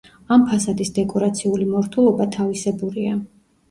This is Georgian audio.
ამ ფასადის დეკორაციული მორთულობა თავისებურია.